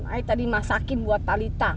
ayo tadi masakin buat talita